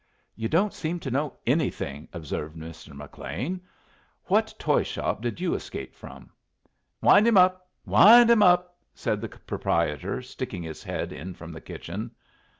"You don't seem to know anything," observed Mr. McLean. "What toy shop did you escape from?" "Wind him up! Wind him up!" said the proprietor, sticking his head in from the kitchen.